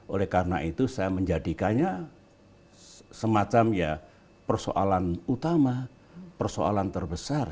oleh karena itu saya menjadikannya semacam ya persoalan utama persoalan terbesar